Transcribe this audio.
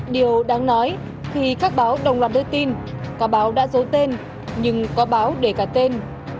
điều đáng nói khi các báo đồng loạt đưa tin có báo đã giấu tên nhưng có báo để cả tên